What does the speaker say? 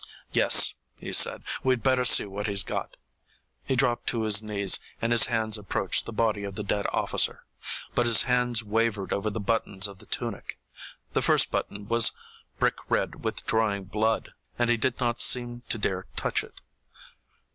"Yes," he said, "we'd better see what he's got." He dropped to his knees, and his hands approached the body of the dead officer. But his hands wavered over the buttons of the tunic. The first button was brick red with drying blood, and he did not seem to dare touch it.